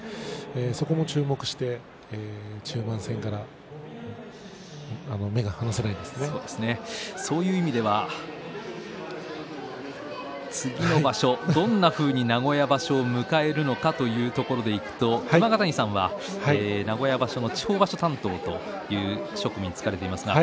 そこも注目して中盤戦からそういう意味では次の場所どんなふうに名古屋場所を迎えるのかというところでいきますと熊ヶ谷さんは名古屋場所の地方場所担当という職に就かれています。